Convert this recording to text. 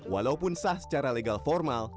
walaupun sah secara legal formal